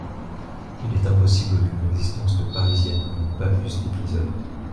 Il est impossible qu'une existence de Parisienne n'ait pas plus d'épisodes.